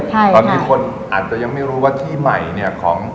ตอนนี้คนอาจจะยังไม่รู้ว่าที่ใหม่เนี่ยของ